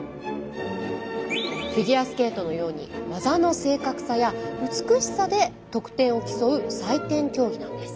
フィギュアスケートのように技の正確さや美しさで得点を競う採点競技なんです。